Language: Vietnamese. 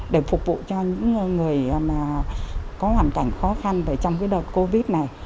để phục vụ cho những người mà có hoàn cảnh khó khăn trong đợt covid này